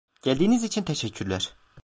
Geldiğiniz için teşekkürler.